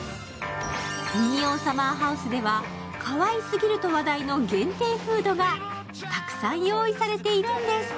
ミニオンサマーハウスではかわいすぎると話題の限定フードがたくさん用意されているんです。